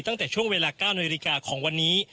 ตั้งแต่ช่วงเวลา๙นาฬิกาของวันนี้